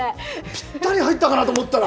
ぴったり入ったかなと思ったら。